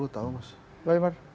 lima puluh lima puluh tau mas